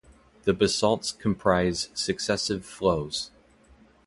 The basalts comprise successive flows.